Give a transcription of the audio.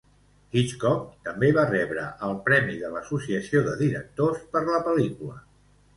Hitchcock també va rebre el premi de l'Associació de Directors per la pel·lícula.